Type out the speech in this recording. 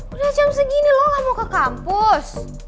udah jam segini loh gak mau ke kampus